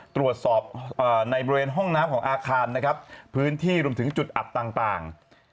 ตรวจสอบในบริเวณห้องน้ำของอาคารนะครับพื้นที่รวมถึงจุดอับต่าง